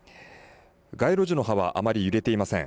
街路樹の葉はあまり揺れていません。